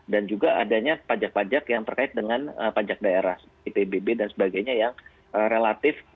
dan juga adanya pajak pajak yang terkait dengan pajak daerah ipbb dan sebagainya yang relatif